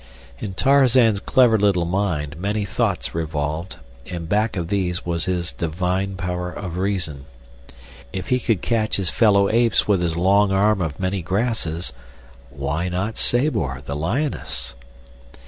In Tarzan's clever little mind many thoughts revolved, and back of these was his divine power of reason. If he could catch his fellow apes with his long arm of many grasses, why not Sabor, the lioness?